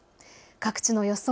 各地の予想